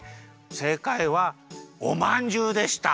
せいかいはおまんじゅうでした。